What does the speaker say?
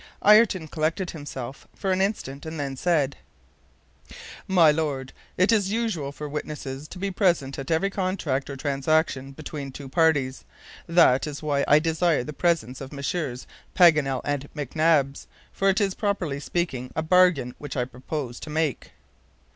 Ayrton collected himself, for an instant, and then said: "My Lord, it is usual for witnesses to be present at every contract or transaction between two parties. That is why I desire the presence of Messrs. Paganel and McNabbs, for it is, properly speaking, a bargain which I propose to make."